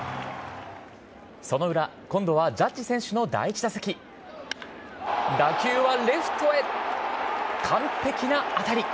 その裏今度はジャッジ選手の第１打席打球はレフトへ完璧な当たり。